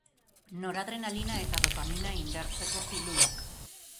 Noradrenalina eta dopamina indartzeko pilulak.